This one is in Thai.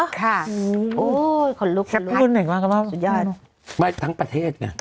โอ้ยคนลุกขี้รุกครับสุดยอดไม่ทั้งประเทศไง